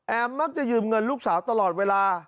มักจะยืมเงินลูกสาวตลอดเวลา